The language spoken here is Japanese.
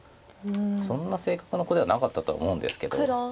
そんな性格の子ではなかったとは思うんですけど。